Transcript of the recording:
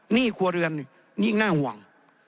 หนี้ครัวเรือนนี่นี่หน้าห่วง